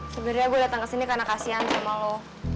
sebenernya gue datang kesini karena kasihan sama lo